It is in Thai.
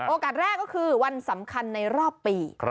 แรกก็คือวันสำคัญในรอบปี